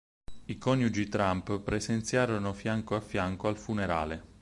I coniugi Trump presenziarono fianco a fianco al funerale.